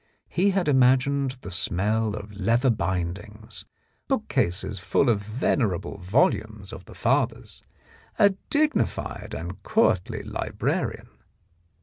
He had imagined the smell of leather bindings, bookcases full of venerable volumes of the fathers, a dignified and courtly librarian.